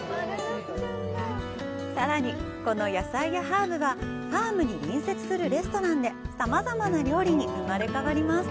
さらに、この野菜やハーブはファームに隣接するレストランでさまざまな料理に生まれ変わります。